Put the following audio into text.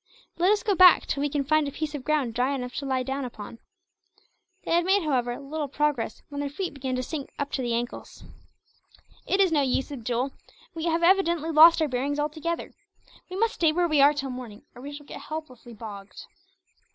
Let us go back, till we can find a piece of ground dry enough to lie down upon." They had made, however, little progress when their feet began to sink up to the ankles. "It is no use, Abdool. We have evidently lost our bearings, altogether. We must stay where we are till morning, or we shall get helplessly bogged."